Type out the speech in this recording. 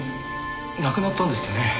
亡くなったんですってね。